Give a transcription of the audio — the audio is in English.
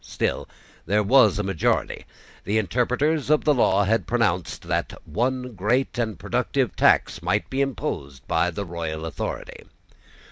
Still there was a majority. The interpreters of the law had pronounced that one great and productive tax might be imposed by the royal authority.